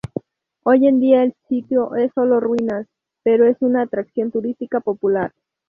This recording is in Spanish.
Hoy en día el sitio es sólo ruinas, pero es una atracción turística popular.